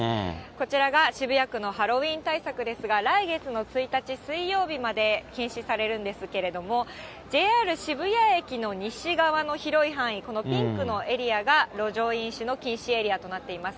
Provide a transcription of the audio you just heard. こちらが渋谷区のハロウィーン対策ですが、来月の１日水曜日まで、禁止されるんですけれども、ＪＲ渋谷駅の西側の広い範囲、このピンクのエリアが路上飲酒の禁止エリアとなっています。